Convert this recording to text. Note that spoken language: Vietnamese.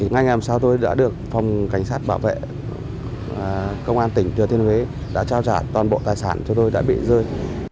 ngay ngày làm sao tôi đã được phòng cảnh sát bảo vệ công an tỉnh thừa thiên huế đã trao trả toàn bộ tài sản cho tôi đã bị rơi